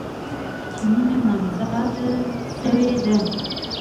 ناجیې وویل چې مینه نامزاده شوې ده